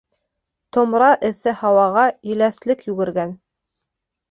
Томра эҫе һауаға еләҫлек йүгергән.